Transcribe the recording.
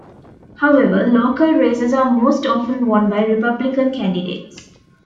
However, local races are most often won by Republican candidates.